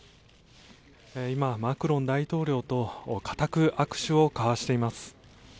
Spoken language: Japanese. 今、マクロン大統領と固く握手を交わしています。